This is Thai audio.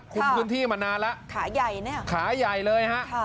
คุมพื้นที่มานานแล้วขาใหญ่เนี่ยขาใหญ่เลยฮะ